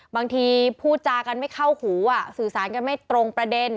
บางทีพูดจากันไม่เข้าหูสื่อสารกันไม่ตรงประเด็น